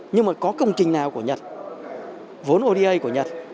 nhưng mà có công trình nào của nhật vốn oda của nhật